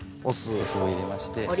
お酢を入れまして。